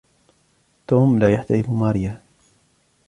توم لا يحترمْ ماريّا.